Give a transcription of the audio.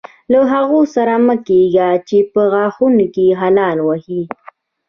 له هغو سره مه ګډېږئ چې په غاښونو کې خلال وهي.